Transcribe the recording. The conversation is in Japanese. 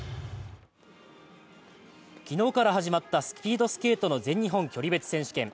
昨日から始まったスピードスケートの全日本距離別選手権。